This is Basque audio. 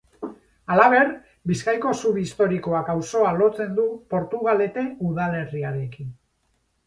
Halaber, Bizkaiko zubi historikoak auzoa lotzen du Portugalete udalerriarekin.